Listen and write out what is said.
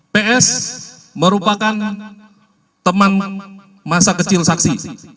ps merupakan teman masa kecil saksi